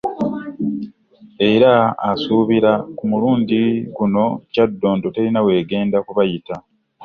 Era asuubira ku mulundi guno Kyaddondo terina w'egenda kubayita